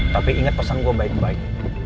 tapi ingat pesan gue baik baik